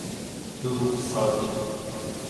دروغ سازی